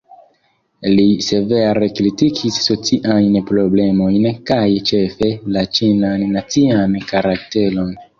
Li severe kritikis sociajn problemojn kaj ĉefe la "ĉinan nacian karakteron".